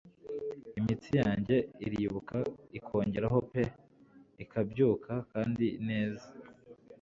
Imitsi yanjye iribuka ikongeraho pe ikabyuka kandi neza